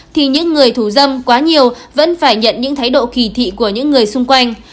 thì những người thủ dâm quá nhiều vẫn phải nhận những thái độ kỳ thị của những người xung quanh